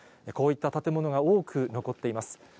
こういった建物が多く残っています。